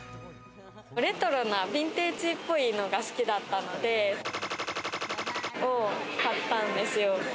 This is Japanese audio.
レトロなヴィンテージっぽいのが好きだったのでを買ったんですよ。